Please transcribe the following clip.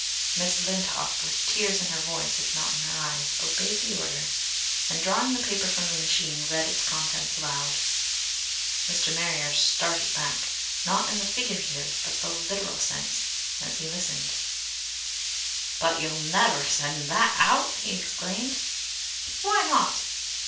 Miss Lindop, with tears in her voice if not in her eyes, obeyed the order and, drawing the paper from the machine, read its contents aloud. Mr. Marrier started back not in the figurative but in the literal sense as he listened. "But you'll never send that out!" he exclaimed. "Why not?"